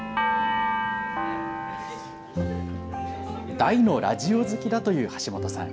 大のラジオ好きだという橋本さん。